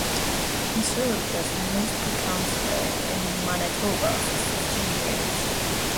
He served as a municipal councillor in Manitoba for fifteen years.